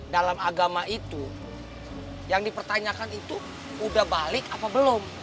dalam agama itu yang dipertanyakan itu udah balik apa belum